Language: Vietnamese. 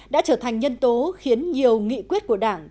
đã trở thành nhân tố khiến nhiều nghị quyết của đảng